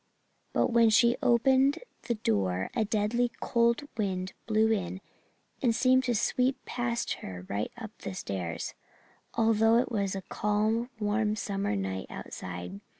But when she opened the door a deadly cold wind blew in and seemed to sweep past her right up the stairs, although it was a calm, warm summer night outside.